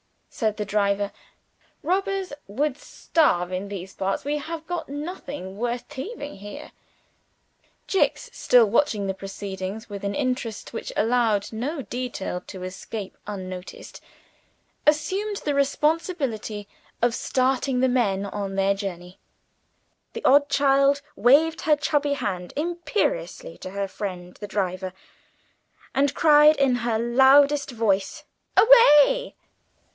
said the driver, "robbers would starve in these parts; we have got nothing worth thieving here." Jicks still watching the proceedings with an interest which allowed no detail to escape unnoticed assumed the responsibility of starting the men on their journey. The odd child waved her chubby hand imperiously to her friend the driver, and cried in her loudest voice, "Away!"